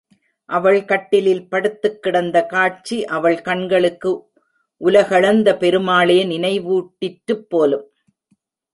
அவள் கட்டிலில் படுத்துக்கிடந்த காட்சி அவள் கண்களுக்கு உலகளந்த பெருமாளே நினைவூட்டிற்றுப் போலும்!